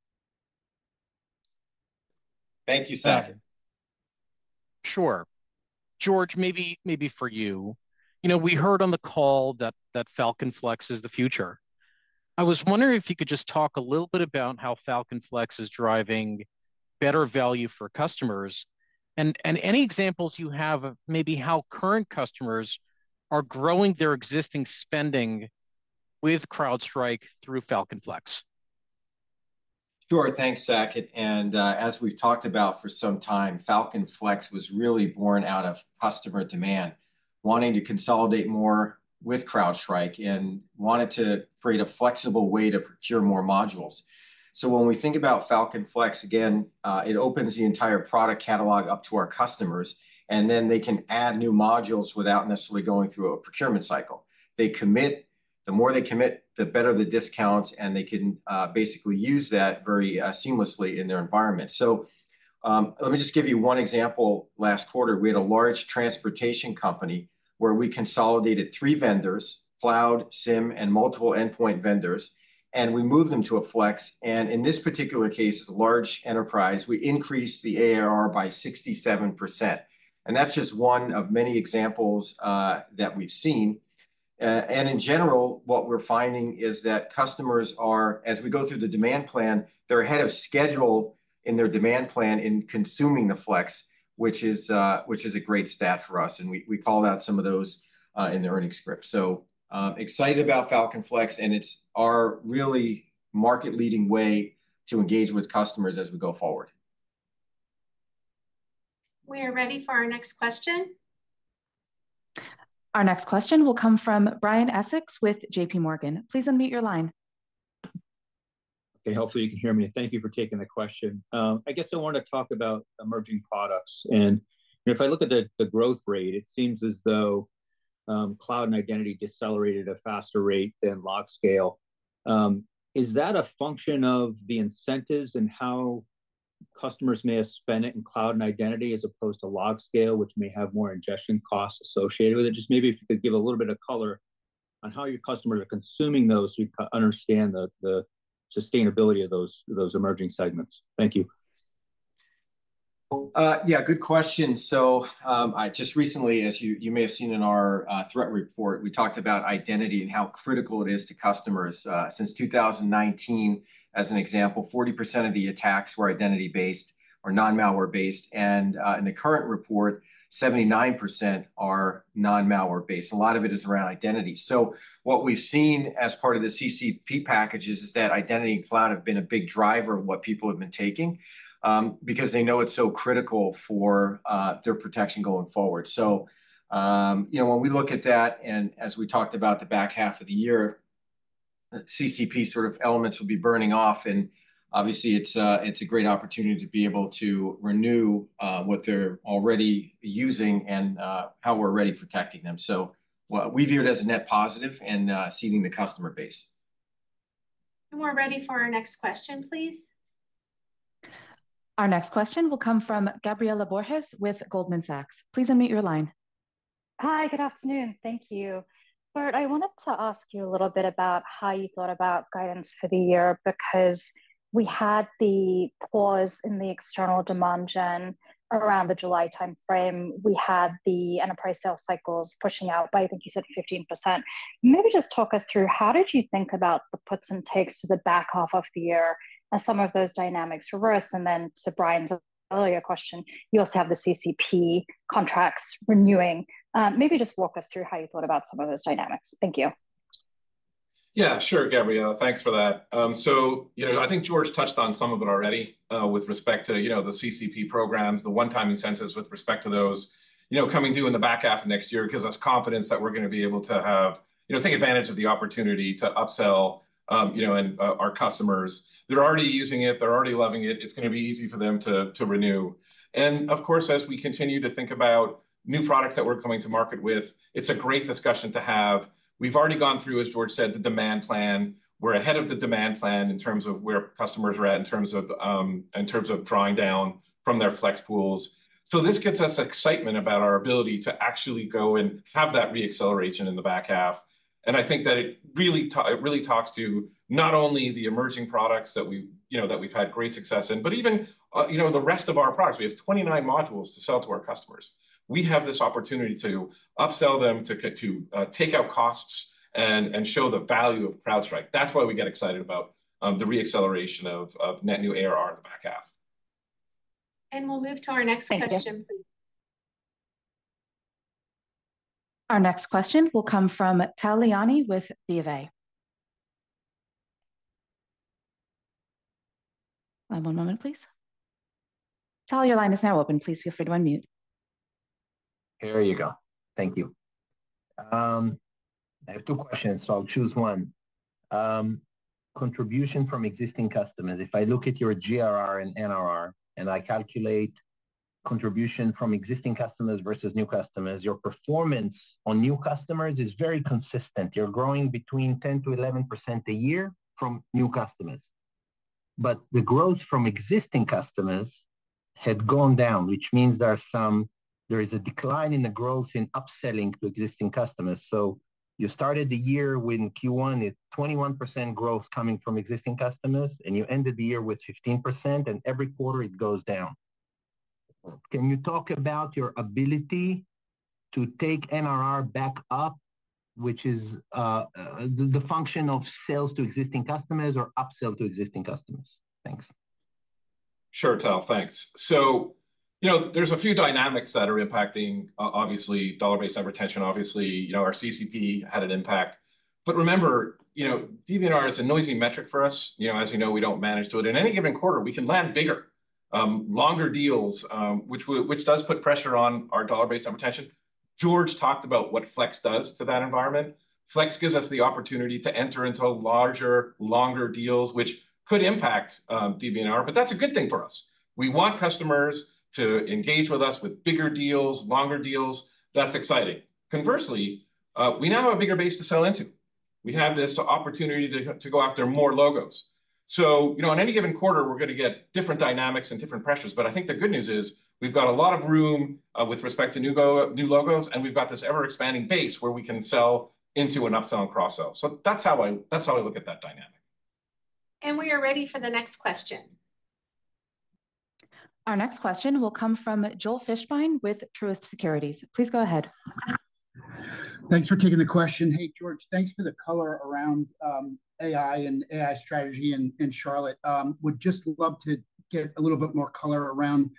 Speaker 3: Thank you, Saket.
Speaker 5: Sure. George, maybe for you. You know, we heard on the call that Falcon Flex is the future. I was wondering if you could just talk a little bit about how Falcon Flex is driving better value for customers and any examples you have of maybe how current customers are growing their existing spending with CrowdStrike through Falcon Flex.
Speaker 3: Sure, thanks, Saket. As we've talked about for some time, Falcon Flex was really born out of customer demand, wanting to consolidate more with CrowdStrike and wanted to create a flexible way to procure more modules. So when we think about Falcon Flex, again, it opens the entire product catalog up to our customers, and then they can add new modules without necessarily going through a procurement cycle. They commit. The more they commit, the better the discounts, and they can basically use that very seamlessly in their environment. So let me just give you one example. Last quarter, we had a large transportation company where we consolidated three vendors: cloud, SIEM, and multiple endpoint vendors, and we moved them to a Flex, and in this particular case, a large enterprise, we increased the ARR by 67%, and that's just one of many examples that we've seen, and in general, what we're finding is that customers are, as we go through the demand plan, they're ahead of schedule in their demand plan in consuming the Flex, which is a great stat for us, and we call out some of those in the earnings script, so excited about Falcon Flex, and it's our really market-leading way to engage with customers as we go forward.
Speaker 2: We are ready for our next question.
Speaker 1: Our next question will come from Brian Essex with JPMorgan. Please unmute your line.
Speaker 6: Okay, hopefully you can hear me. Thank you for taking the question. I guess I wanted to talk about emerging products. And if I look at the growth rate, it seems as though cloud and identity decelerated at a faster rate than LogScale. Is that a function of the incentives and how customers may have spent it in cloud and identity as opposed to LogScale, which may have more ingestion costs associated with it? Just maybe if you could give a little bit of color on how your customers are consuming those so we can understand the sustainability of those emerging segments. Thank you.
Speaker 3: Yeah, good question. So just recently, as you may have seen in our threat report, we talked about identity and how critical it is to customers. Since 2019, as an example, 40% of the attacks were identity-based or non-malware-based. And in the current report, 79% are non-malware-based. A lot of it is around identity. So what we've seen as part of the CCP packages is that identity and cloud have been a big driver of what people have been taking because they know it's so critical for their protection going forward. So when we look at that, and as we talked about the back half of the year, CCP sort of elements will be burning off. And obviously, it's a great opportunity to be able to renew what they're already using and how we're already protecting them. So we view it as a net positive and seeding the customer base.
Speaker 2: And we're ready for our next question, please.
Speaker 1: Our next question will come from Gabriela Borges with Goldman Sachs. Please unmute your line.
Speaker 7: Hi, good afternoon. Thank you. Burt, I wanted to ask you a little bit about how you thought about guidance for the year because we had the pause in the external demand gen around the July timeframe. We had the enterprise sales cycles pushing out by, I think you said, 15%. Maybe just talk us through how did you think about the puts and takes to the back half of the year as some of those dynamics reversed? And then to Brian's earlier question, you also have the CCP contracts renewing. Maybe just walk us through how you thought about some of those dynamics. Thank you.
Speaker 4: Yeah, sure, Gabriela. Thanks for that. So I think George touched on some of it already with respect to the CCP programs, the one-time incentives with respect to those coming due in the back half of next year gives us confidence that we're going to be able to take advantage of the opportunity to upsell our customers. They're already using it. They're already loving it. It's going to be easy for them to renew. And of course, as we continue to think about new products that we're coming to market with, it's a great discussion to have. We've already gone through, as George said, the demand plan. We're ahead of the demand plan in terms of where customers are at in terms of drawing down from their Flex pools. So this gets us excitement about our ability to actually go and have that reacceleration in the back half. I think that it really talks to not only the emerging products that we've had great success in, but even the rest of our products. We have 29 modules to sell to our customers. We have this opportunity to upsell them, to take out costs, and show the value of CrowdStrike. That's why we get excited about the reacceleration of net new ARR in the back half.
Speaker 2: We'll move to our next question, please.
Speaker 1: Our next question will come from Tal Liani with Bank of America Securities. One moment, please. Tal, your line is now open. Please feel free to unmute.
Speaker 8: There you go. Thank you. I have two questions, so I'll choose one. Contribution from existing customers. If I look at your GRR and NRR and I calculate contribution from existing customers versus new customers, your performance on new customers is very consistent. You're growing between 10%-11% a year from new customers. But the growth from existing customers had gone down, which means there is a decline in the growth in upselling to existing customers. So you started the year with Q1 at 21% growth coming from existing customers, and you ended the year with 15%, and every quarter it goes down. Can you talk about your ability to take NRR back up, which is the function of sales to existing customers or upsell to existing customers? Thanks.
Speaker 4: Sure, Tal, thanks. So there's a few dynamics that are impacting, obviously, dollar-based net retention. Obviously, our CCP had an impact. But remember, DBNR is a noisy metric for us. As you know, we don't manage to it. In any given quarter, we can land bigger, longer deals, which does put pressure on our dollar-based net retention. George talked about what Flex does to that environment. Flex gives us the opportunity to enter into larger, longer deals, which could impact DBNR, but that's a good thing for us. We want customers to engage with us with bigger deals, longer deals. That's exciting. Conversely, we now have a bigger base to sell into. We have this opportunity to go after more logos. So in any given quarter, we're going to get different dynamics and different pressures. But I think the good news is we've got a lot of room with respect to new logos, and we've got this ever-expanding base where we can sell into an upsell and cross-sell. So that's how I look at that dynamic.
Speaker 2: And we are ready for the next question.
Speaker 1: Our next question will come from Joel Fishbein with Truist Securities. Please go ahead. Thanks for taking the question.
Speaker 9: Hey, George, thanks for the color around AI and AI strategy in Charlotte. Would just love to get a little bit more color around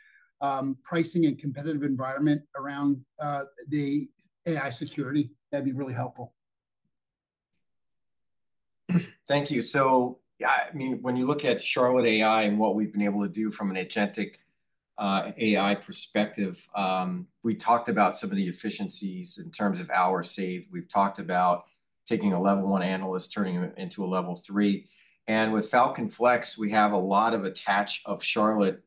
Speaker 9: pricing and competitive environment around the AI security. That'd be really helpful.
Speaker 3: Thank you. So yeah, I mean, when you look at Charlotte AI and what we've been able to do from an agentic AI perspective, we talked about some of the efficiencies in terms of hour saved. We've talked about taking a level one analyst, turning them into a level three. And with Falcon Flex, we have a lot of attach of Charlotte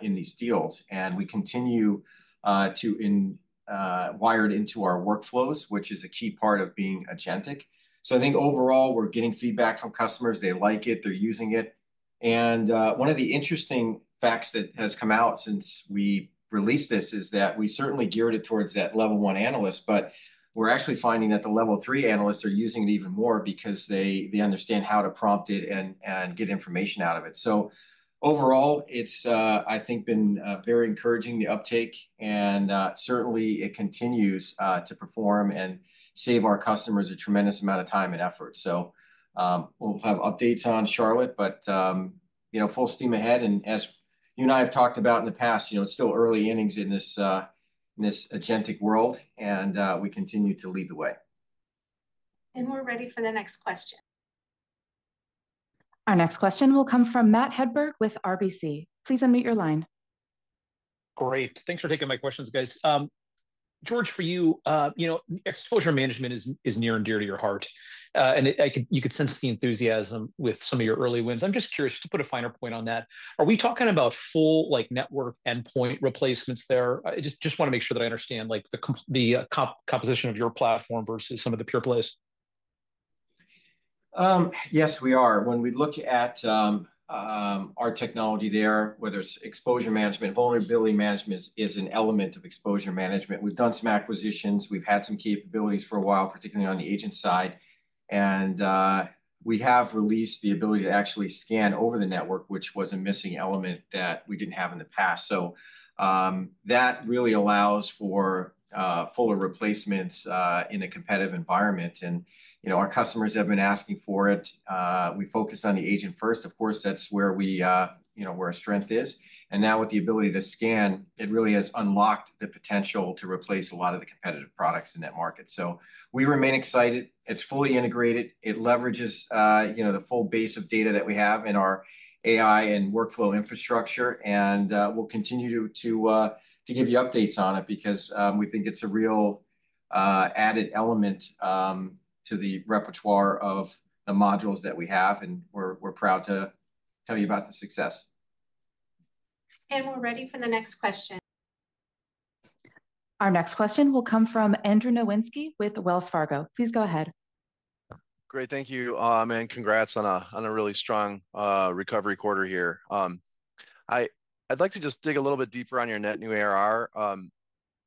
Speaker 3: in these deals. And we continue to be wired into our workflows, which is a key part of being agentic. So I think overall, we're getting feedback from customers. They like it. They're using it. And one of the interesting facts that has come out since we released this is that we certainly geared it towards that level one analyst, but we're actually finding that the level three analysts are using it even more because they understand how to prompt it and get information out of it. So overall, it's, I think, been very encouraging, the uptake. And certainly, it continues to perform and save our customers a tremendous amount of time and effort. So we'll have updates on Charlotte, but full steam ahead. And as you and I have talked about in the past, it's still early innings in this agentic world, and we continue to lead the way.
Speaker 2: And we're ready for the next question.
Speaker 1: Our next question will come from Matt Hedberg with RBC. Please unmute your line.
Speaker 10: Great. Thanks for taking my questions, guys. George, for you, exposure management is near and dear to your heart, and you could sense the enthusiasm with some of your early wins. I'm just curious to put a finer point on that. Are we talking about full network endpoint replacements there? I just want to make sure that I understand the composition of your platform versus some of the pure plays.
Speaker 3: Yes, we are. When we look at our technology there, whether it's exposure management, vulnerability management is an element of exposure management. We've done some acquisitions. We've had some capabilities for a while, particularly on the agent side, and we have released the ability to actually scan over the network, which was a missing element that we didn't have in the past. So that really allows for fuller replacements in a competitive environment, and our customers have been asking for it. We focused on the agent first. Of course, that's where our strength is. And now with the ability to scan, it really has unlocked the potential to replace a lot of the competitive products in that market. So we remain excited. It's fully integrated. It leverages the full base of data that we have in our AI and workflow infrastructure. And we'll continue to give you updates on it because we think it's a real added element to the repertoire of the modules that we have. And we're proud to tell you about the success.
Speaker 2: And we're ready for the next question.
Speaker 1: Our next question will come from Andrew Nowinski with Wells Fargo. Please go ahead.
Speaker 11: Great. Thank you. And congrats on a really strong recovery quarter here. I'd like to just dig a little bit deeper on your net new ARR.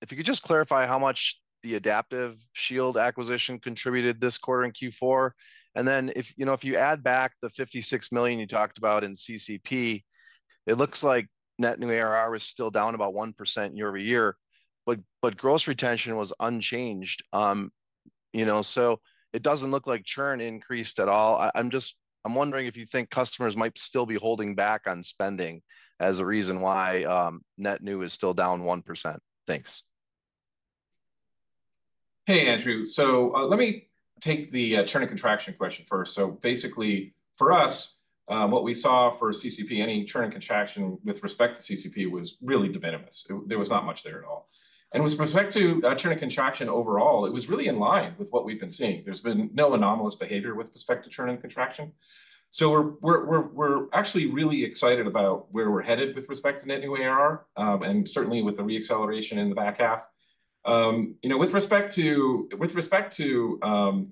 Speaker 11: If you could just clarify how much the Adaptive Shield acquisition contributed this quarter in Q4. And then if you add back the $56 million you talked about in CCP, it looks like net new ARR was still down about 1% year-over-year, but gross retention was unchanged. So it doesn't look like churn increased at all. I'm wondering if you think customers might still be holding back on spending as a reason why net new is still down 1%? Thanks.
Speaker 4: Hey, Andrew. So let me take the churn and contraction question first. So basically, for us, what we saw for CCP, any churn and contraction with respect to CCP was really de minimis. There was not much there at all. And with respect to churn and contraction overall, it was really in line with what we've been seeing. There's been no anomalous behavior with respect to churn and contraction. So we're actually really excited about where we're headed with respect to net new ARR and certainly with the reacceleration in the back half. With respect to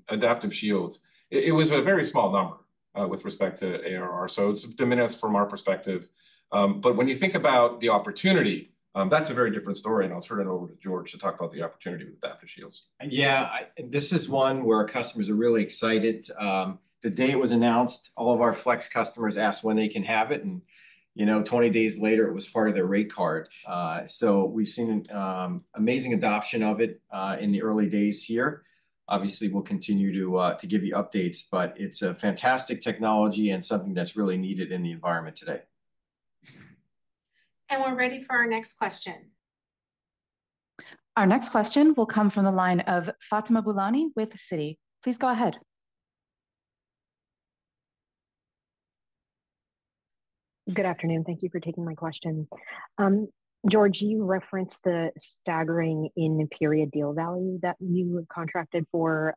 Speaker 4: Adaptive Shield, it was a very small number with respect to ARR. So it's de minimis from our perspective. But when you think about the opportunity, that's a very different story. And I'll turn it over to George to talk about the opportunity with Adaptive Shield.
Speaker 3: Yeah, this is one where our customers are really excited. The day it was announced, all of our Flex customers asked when they can have it. And 20 days later, it was part of their rate card. So we've seen amazing adoption of it in the early days here. Obviously, we'll continue to give you updates, but it's a fantastic technology and something that's really needed in the environment today.
Speaker 2: And we're ready for our next question.
Speaker 1: Our next question will come from the line of Fatima Boolani with Citi. Please go ahead.
Speaker 12: Good afternoon. Thank you for taking my question. George, you referenced the staggering in-period deal value that you contracted for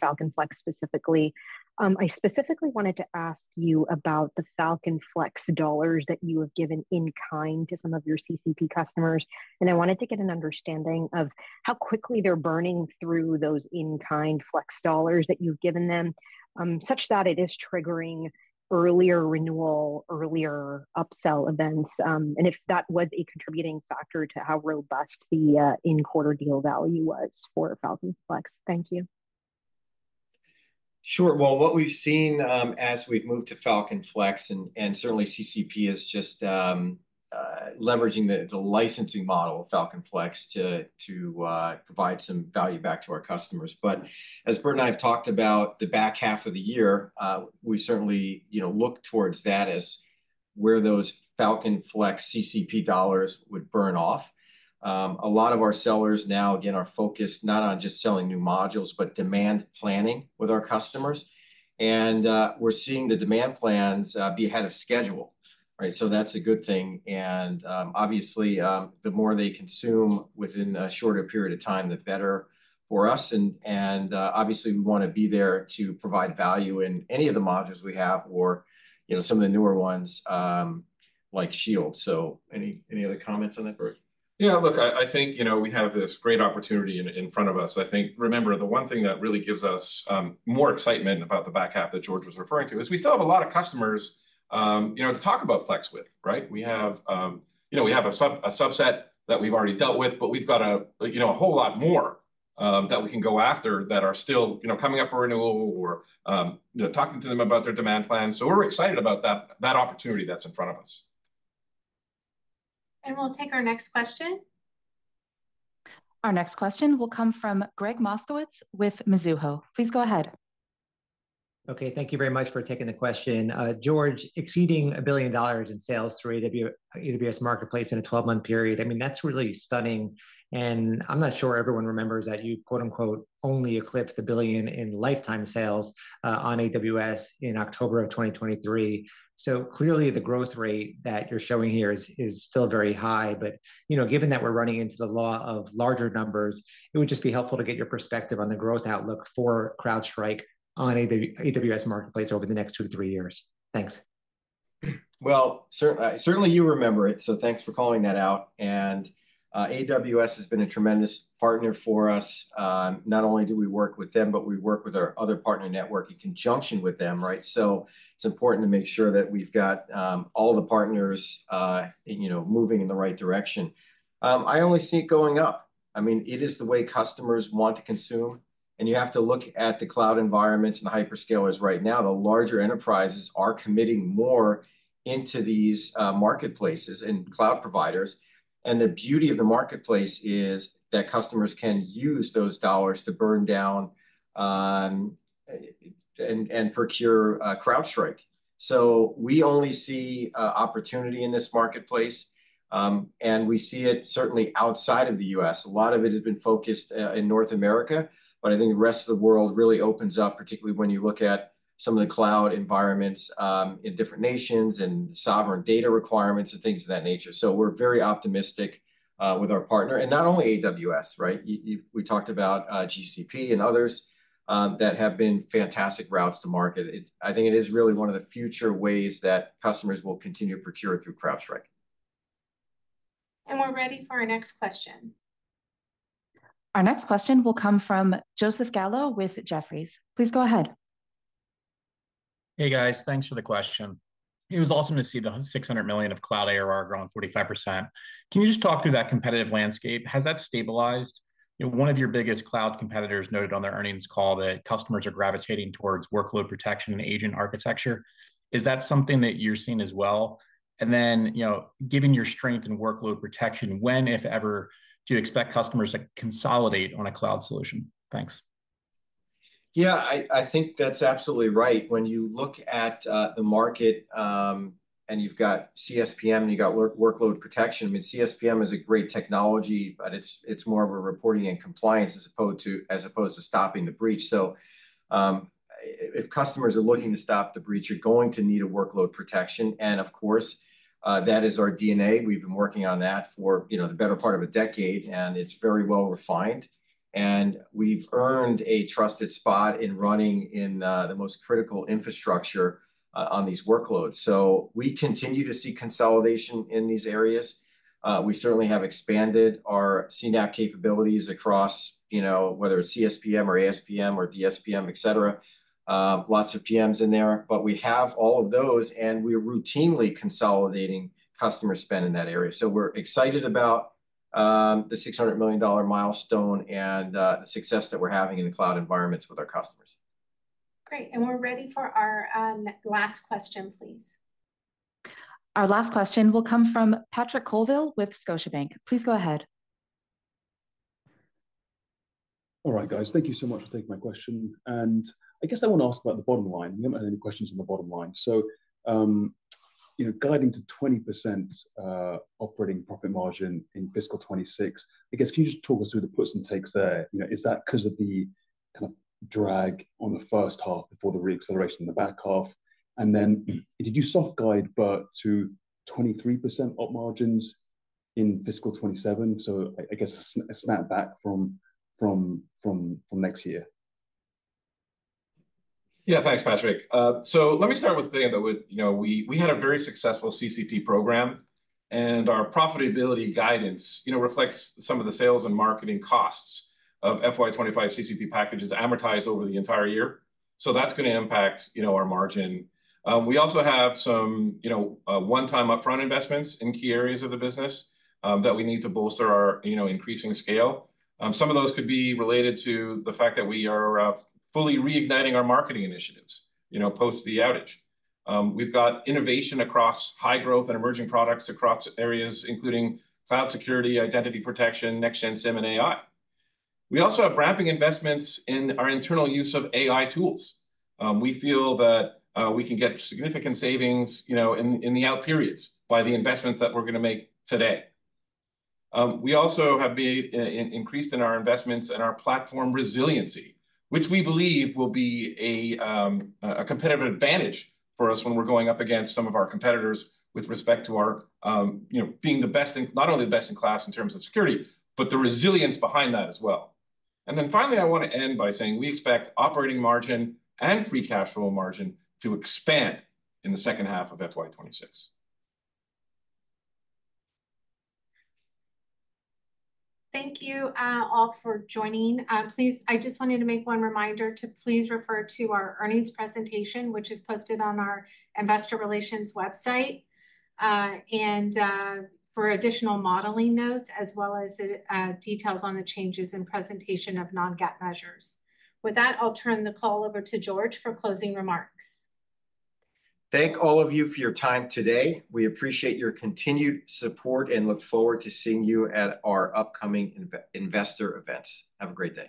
Speaker 12: Falcon Flex specifically. I specifically wanted to ask you about the Falcon Flex dollars that you have given in-kind to some of your CCP customers. And I wanted to get an understanding of how quickly they're burning through those in-kind Flex dollars that you've given them such that it is triggering earlier renewal, earlier upsell events. And if that was a contributing factor to how robust the in-quarter deal value was for Falcon Flex. Thank you.
Speaker 3: Sure. Well, what we've seen as we've moved to Falcon Flex, and certainly CCP is just leveraging the licensing model of Falcon Flex to provide some value back to our customers. But as Burt and I have talked about the back half of the year, we certainly look towards that as where those Falcon Flex CCP dollars would burn off. A lot of our sellers now, again, are focused not on just selling new modules, but demand planning with our customers. And we're seeing the demand plans be ahead of schedule. So that's a good thing. And obviously, the more they consume within a shorter period of time, the better for us. And obviously, we want to be there to provide value in any of the modules we have or some of the newer ones like Shield. So any other comments on that, Burt?
Speaker 4: Yeah, look, I think we have this great opportunity in front of us. I think, remember, the one thing that really gives us more excitement about the back half that George was referring to is we still have a lot of customers to talk about Flex with, right? We have a subset that we've already dealt with, but we've got a whole lot more that we can go after that are still coming up for renewal or talking to them about their demand plans. So we're excited about that opportunity that's in front of us.
Speaker 2: And we'll take our next question.
Speaker 1: Our next question will come from Gregg Moskowitz with Mizuho. Please go ahead.
Speaker 13: Okay. Thank you very much for taking the question. George, exceeding $1 billion in sales through AWS Marketplace in a 12-month period. I mean, that's really stunning. I'm not sure everyone remembers that you "only eclipsed $1 billion in lifetime sales on AWS in October of 2023." So clearly, the growth rate that you're showing here is still very high. But given that we're running into the law of larger numbers, it would just be helpful to get your perspective on the growth outlook for CrowdStrike on AWS Marketplace over the next two to three years. Thanks.
Speaker 3: Well, certainly, you remember it. So thanks for calling that out. And AWS has been a tremendous partner for us. Not only do we work with them, but we work with our other partner network in conjunction with them, right? So it's important to make sure that we've got all the partners moving in the right direction. I only see it going up. I mean, it is the way customers want to consume. And you have to look at the cloud environments and hyperscalers right now. The larger enterprises are committing more into these marketplaces and cloud providers. And the beauty of the marketplace is that customers can use those dollars to burn down and procure CrowdStrike. So we only see opportunity in this marketplace. And we see it certainly outside of the US. A lot of it has been focused in North America. But I think the rest of the world really opens up, particularly when you look at some of the cloud environments in different nations and sovereign data requirements and things of that nature. So we're very optimistic with our partner. And not only AWS, right? We talked about GCP and others that have been fantastic routes to market. I think it is really one of the future ways that customers will continue to procure through CrowdStrike.
Speaker 2: And we're ready for our next question.
Speaker 1: Our next question will come from Joseph Gallo with Jefferies. Please go ahead.
Speaker 14: Hey, guys. Thanks for the question. It was awesome to see the $600 million of cloud ARR growing 45%. Can you just talk through that competitive landscape? Has that stabilized? One of your biggest cloud competitors noted on their earnings call that customers are gravitating towards workload protection and agent architecture. Is that something that you're seeing as well? And then given your strength in workload protection, when, if ever, do you expect customers to consolidate on a cloud solution? Thanks.
Speaker 3: Yeah, I think that's absolutely right. When you look at the market and you've got CSPM and you've got workload protection, I mean, CSPM is a great technology, but it's more of a reporting and compliance as opposed to stopping the breach. So if customers are looking to stop the breach, you're going to need a workload protection. And of course, that is our DNA. We've been working on that for the better part of a decade, and it's very well refined. And we've earned a trusted spot in running in the most critical infrastructure on these workloads. So we continue to see consolidation in these areas. We certainly have expanded our CNAPP capabilities across whether it's CSPM or ASPM or DSPM, etc. Lots of PMs in there. But we have all of those, and we're routinely consolidating customer spend in that area. So we're excited about the $600 million milestone and the success that we're having in the cloud environments with our customers.
Speaker 2: Great. And we're ready for our last question, please.
Speaker 1: Our last question will come from Patrick Colville with Scotiabank. Please go ahead.
Speaker 15: All right, guys. Thank you so much for taking my question. And I guess I want to ask about the bottom line. We haven't had any questions on the bottom line. So guiding to 20% operating profit margin in fiscal 2026, I guess, can you just talk us through the puts and takes there? Is that because of the kind of drag on the first half before the reacceleration in the back half? And then did you soft guide Burt to 23% op margins in fiscal 2027? So I guess a snap back from next year.
Speaker 4: Yeah, thanks, Patrick. So let me start with being that we had a very successful CCP program. And our profitability guidance reflects some of the sales and marketing costs of FY 2025 CCP packages amortized over the entire year. So that's going to impact our margin. We also have some one-time upfront investments in key areas of the business that we need to bolster our increasing scale. Some of those could be related to the fact that we are fully reigniting our marketing initiatives post the outage. We've got innovation across high growth and emerging products across areas, including cloud security, identity protection, next-gen SIEM, and AI. We also have ramping investments in our internal use of AI tools. We feel that we can get significant savings in the out periods by the investments that we're going to make today. We also have increased in our investments and our platform resiliency, which we believe will be a competitive advantage for us when we're going up against some of our competitors with respect to our being the best, not only the best in class in terms of security, but the resilience behind that as well. And then finally, I want to end by saying we expect operating margin and free cash flow margin to expand in the second half of FY 2026.
Speaker 2: Thank you all for joining. I just wanted to make one reminder to please refer to our earnings presentation, which is posted on our investor relations website and for additional modeling notes, as well as the details on the changes in presentation of non-GAAP measures. With that, I'll turn the call over to George for closing remarks.
Speaker 3: Thank all of you for your time today. We appreciate your continued support and look forward to seeing you at our upcoming investor events. Have a great day.